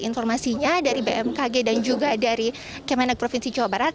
informasinya dari bmkg dan juga dari kemenek provinsi jawa barat